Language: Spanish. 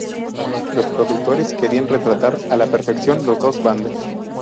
Los productores querían retratar a la perfección los dos bandos.